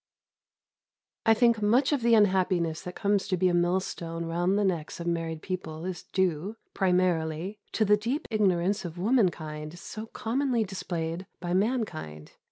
I think much of the unhappiness that comes to be a millstone round the necks of married people is due, primarily, to the deep ignorance of womankind so commonly displayed by mankind.